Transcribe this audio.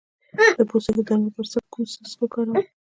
د پوستکي د دانو لپاره کوم څاڅکي وکاروم؟